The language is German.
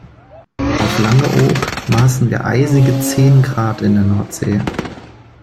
Auf Langeoog maßen wir eisige zehn Grad in der Nordsee.